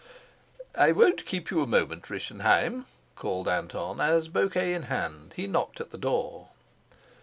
"I won't keep you a moment, Rischenheim," called Anton, as, bouquet in hand, he knocked at the door.